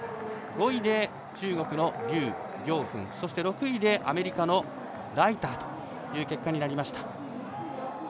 ５位で、中国の劉暁彬そして６位でアメリカのライターという結果になりました。